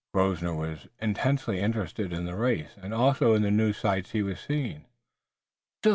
Grosvenor was intensely interested in the race, and also in the new sights he was seeing.